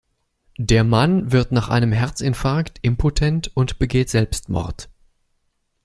Der Mann wird nach einem Herzinfarkt impotent und begeht Selbstmord.